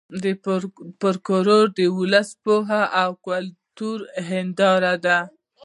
فولکلور د ولسي پوهې او کلتور هېنداره ده